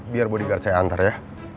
biar bodyguard saya antar ya